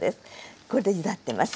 これでゆだってます。